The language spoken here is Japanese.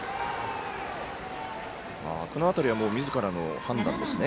この辺りはみずからの判断ですね。